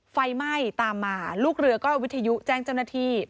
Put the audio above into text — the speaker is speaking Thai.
ไฟไหม้ตามมาลูกเรือก็วิทยุแจ้งเจ้าหน้าที่